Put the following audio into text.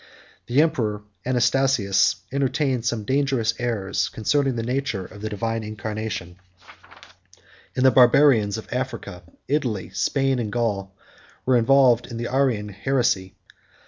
The emperor Anastasius entertained some dangerous errors concerning the nature of the divine incarnation; and the Barbarians of Italy, Africa, Spain, and Gaul, were involved in the Arian heresy.